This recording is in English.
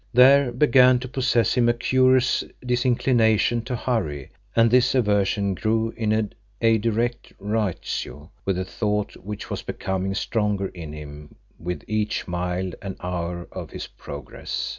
There began to possess him a curious disinclination to hurry, and this aversion grew in a direct ratio with the thought which was becoming stronger in him with each mile and hour of his progress.